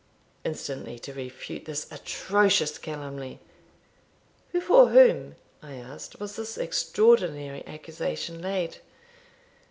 "Instantly to refute this atrocious calumny. Before whom," I asked, "was this extraordinary accusation laid."